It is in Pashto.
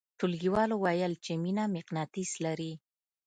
ټولګیوالو ویل چې مینه مقناطیس لري